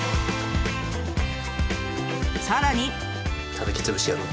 さらに。